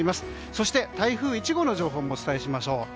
そして台風１号の情報もお伝えしましょう。